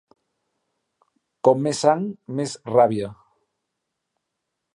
Com més sang, més ràbia.